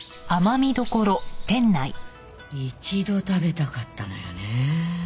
一度食べたかったのよねえ